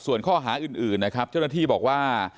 ส่วนข้อหาอื่นนะครับเจ้าหน้าที่บอกว่า